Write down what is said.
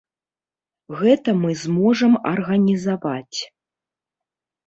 Гэта мы зможам арганізаваць.